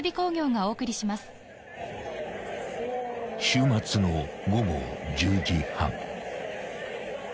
［週末の午後１０時半］